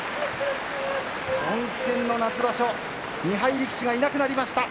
混戦の初場所、２敗力士がいなくなりました。